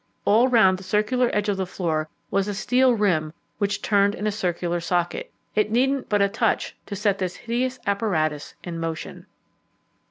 All round the circular edge of the floor was a steel rim which turned in a circular socket. It needed but a touch to set this hideous apparatus in motion.